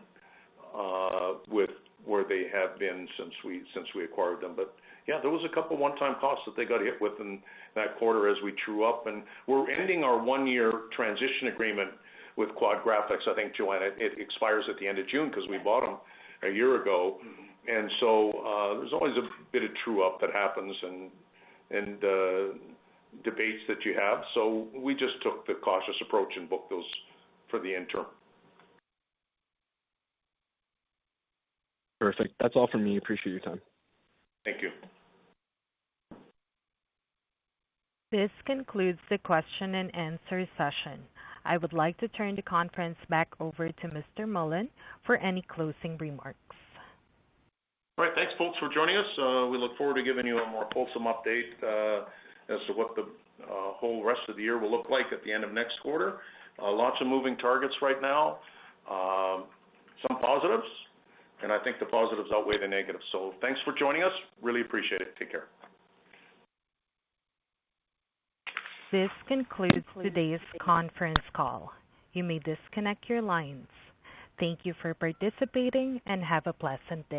with where they have been since we acquired them. Yeah, there was a couple one-time costs that they got hit with in that quarter as we true up. We're ending our one-year transition agreement with Quad/Graphics. I think, Joanna, it expires at the end of June 'cause we bought them a year ago. There's always a bit of true-up that happens and debates that you have. We just took the cautious approach and booked those for the interim. Perfect. That's all for me. Appreciate your time. Thank you. This concludes the question and answer session. I would like to turn the conference back over to Mr. Mullen for any closing remarks. All right. Thanks, folks, for joining us. We look forward to giving you a more wholesome update as to what the whole rest of the year will look like at the end of next quarter. Lots of moving targets right now. Some positives, and I think the positives outweigh the negatives. Thanks for joining us. Really appreciate it. Take care. This concludes today's conference call. You may disconnect your lines. Thank you for participating, and have a pleasant day.